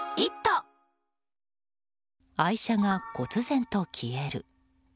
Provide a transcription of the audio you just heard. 愛車がこつ然と消える。